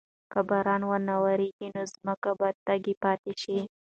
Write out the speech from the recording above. که باران ونه وریږي نو ځمکه به تږې پاتې شي.